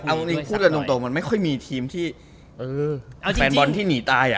เอาจริงพูดกันตรงมันไม่ค่อยมีทีมที่แฟนบอลที่หนีตายอ่ะ